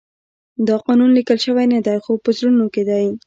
دا قانون لیکل شوی نه دی خو په زړونو کې دی.